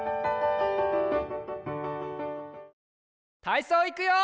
たいそういくよ！